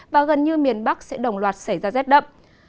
và gần như miền bắc sẽ đồng loạt xảy ra rét đậm